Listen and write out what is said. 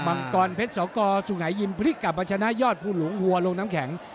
มังกรเพชรสกสุงหายิมพลิกกลับมาชนะยอดภูหลวงหัวลงน้ำแข็ง